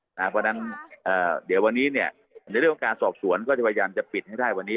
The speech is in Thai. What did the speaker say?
เพราะฉะนั้นเดี๋ยววันนี้ในเรื่องของการสอบสวนก็จะพยายามจะปิดให้ได้วันนี้